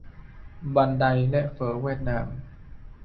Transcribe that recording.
บันได และ เฝอเวียดนาม